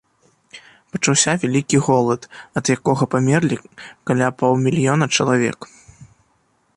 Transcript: Пачаўся вялікі голад, ад якога памерлі каля паўмільёна чалавек.